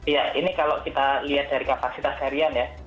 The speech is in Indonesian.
ya ini kalau kita lihat dari kapasitas harian ya